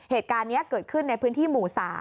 เหตุการณ์นี้เกิดขึ้นในพื้นที่หมู่๓